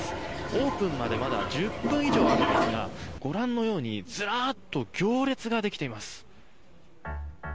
オープンまでまだ１０分以上あるんですがご覧のようにずらっと行列ができています。